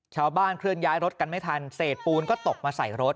เคลื่อนย้ายรถกันไม่ทันเศษปูนก็ตกมาใส่รถ